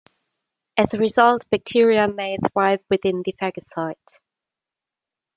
As a result, bacteria may thrive within the phagocyte.